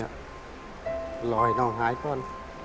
รอให้น้องหายก่อน